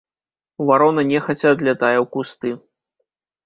Варона нехаця адлятае ў кусты.